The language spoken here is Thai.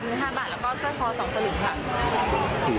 มือ๕บาทแล้วก็เส้นคอ๒สลึก